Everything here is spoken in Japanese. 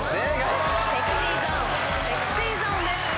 『ＳｅｘｙＺｏｎｅ』ＳｅｘｙＺｏｎｅです。